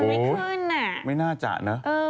ไม่ขึ้นอ่ะไม่น่าจะนะ